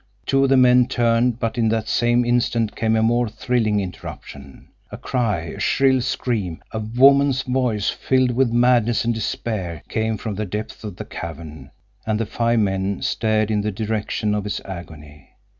Two of the men turned, but in that same instant came a more thrilling interruption. A cry, a shrill scream, a woman's voice filled with madness and despair, came from the depth of the cavern, and the five men stared in the direction of its agony.